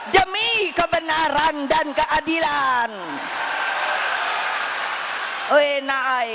demi kebenaran dan keadilan wna